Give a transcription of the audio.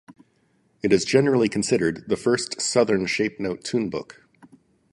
It is generally considered the first Southern shape-note tunebook.